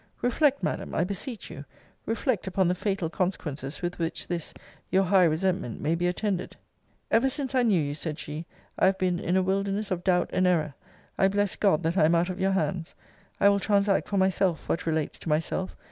] Reflect, Madam, I beseech you, reflect upon the fatal consequences with which this, your high resentment, may be attended. Ever since I knew you, said she, I have been in a wilderness of doubt and error. I bless God that I am out of your hands. I will transact for myself what relates to myself.